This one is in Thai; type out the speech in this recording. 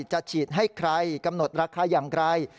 จะฉีดให้ใครกำหนดราคาอย่างไร